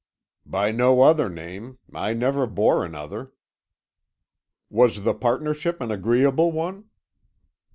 "By no other name. I never bore another." "Was the partnership an agreeable one?"